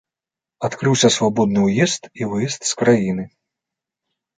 Адкрыўся свабодны ўезд і выезд з краіны.